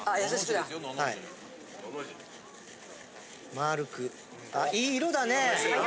まるくああいい色だね。